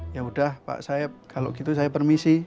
yaudah pak saeb kalau gitu saya permisi